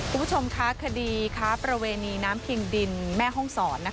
คุณผู้ชมคะคดีค้าประเวณีน้ำพิงดินแม่ห้องศร